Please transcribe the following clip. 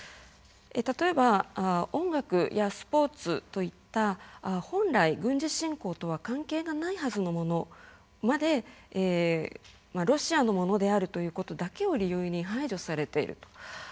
例えば音楽やスポーツといった本来軍事侵攻とは関係がないはずのものまでロシアのものであるということだけを理由に排除されていると。